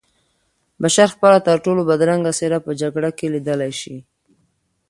بشر خپله ترټولو بدرنګه څېره په جګړه کې لیدلی شي